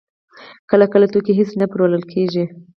کله کله توکي هېڅ نه پلورل کېږي